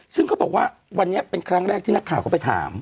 ซึ่งเขาบอกว่าวันนี้เป็นครั้งแรกที่นักข่าวก็ไปถาม